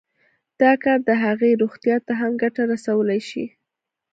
دا کار د هغې روغتيا ته هم ګټه رسولی شي